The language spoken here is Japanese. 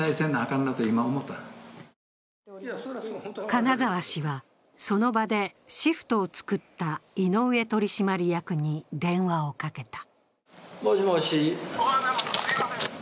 金沢氏はその場でシフトを作った井上取締役に電話をかけた。